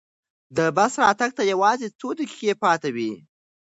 د بس راتګ ته یوازې څو دقیقې پاتې وې.